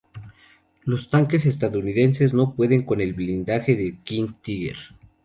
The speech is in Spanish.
Los tanques estadounidenses no pueden con el blindaje del King Tiger.